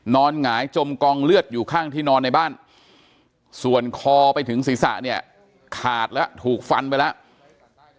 หงายจมกองเลือดอยู่ข้างที่นอนในบ้านส่วนคอไปถึงศีรษะเนี่ยขาดแล้วถูกฟันไปแล้ว